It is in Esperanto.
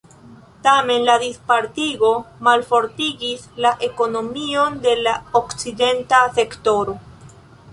Tamen la dispartigo malfortigis la ekonomion de la okcidenta sektoro.